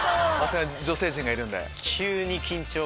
女性陣がいるんで。